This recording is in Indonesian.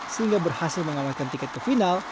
sehingga berhasil mengamankan tiket ke final